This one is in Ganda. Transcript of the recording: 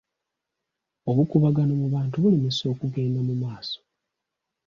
Obukuubagano mu bantu bulemesa okugenda mu maaso.